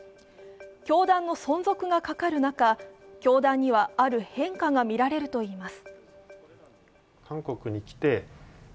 教団の存続がかかる中、教団にはある変化がみられるといいます。